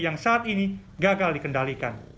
yang saat ini gagal dikendalikan